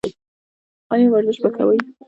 ایا ورزش به کوئ؟